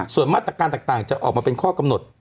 ส่วนมาตรการต่างจะออกมาเป็นข้อกำหนด